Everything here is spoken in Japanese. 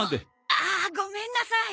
あっごめんなさい。